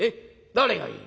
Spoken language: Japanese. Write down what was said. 誰がいい？」。